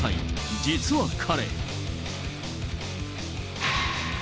実は彼。